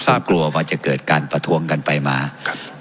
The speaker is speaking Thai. ซึ่งกลัวว่าจะเกิดการประท้วงกันไปมาครับ